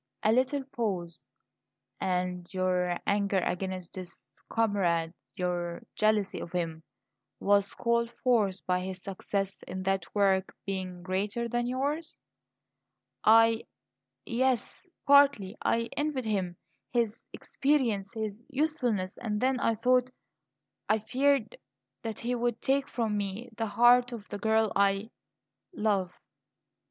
A little pause. "And your anger against this comrade, your jealousy of him, was called forth by his success in that work being greater than yours?" "I yes, partly. I envied him his experience his usefulness. And then I thought I feared that he would take from me the heart of the girl I love."